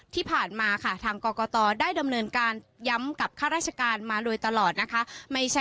ที่ผ่านมาค่ะทางกรกตได้ดำเนินการย้ำกับข้าราชการมาโดยตลอดนะคะ